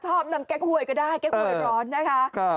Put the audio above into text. ชอบนำแก๊กหวยก็ได้แก๊กหวยร้อนนะคะ